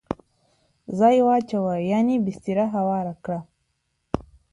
ځای واچوه ..یعنی بستره هواره کړه